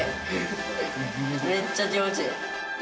めっちゃ気持ちいい！